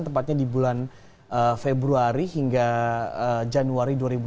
tempatnya di bulan februari hingga januari dua ribu enam belas